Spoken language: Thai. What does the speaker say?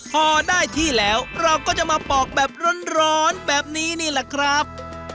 พอได้ที่แล้วเราก็จะมาปอกแบบร้อนแบบนี้นี่แหละครับ